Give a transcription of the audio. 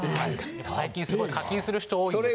最近すごい課金する人多いんですけど。